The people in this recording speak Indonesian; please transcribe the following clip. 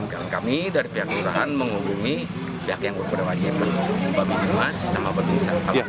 dan kami dari pihak kelurahan menghubungi pihak yang berperawatan bapak bimnas sama bapak bimsa